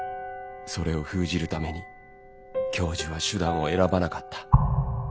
それを封じるために教授は手段を選ばなかった。